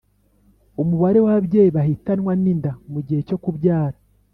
umubare w'ababyeyi bahitanwa n'inda mu gihe cyo kubyara